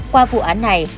qua vụ án này